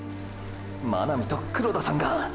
真波と黒田さんが！！